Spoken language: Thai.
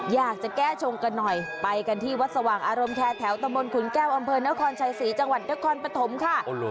อยากจะแก้ชงกันหน่อยไปกันที่วัดสว่างอารมณ์แคร์แถวตะบนขุนแก้วอำเภอนครชัยศรีจังหวัดนครปฐมค่ะ